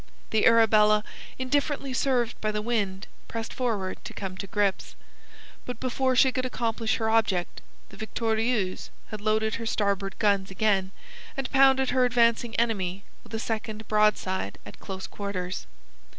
The Arabella, indifferently served by the wind, pressed forward to come to grips. But before she could accomplish her object, the Victorieuse had loaded her starboard guns again, and pounded her advancing enemy with a second broadside at close quarters.